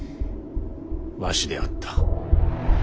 わしであった。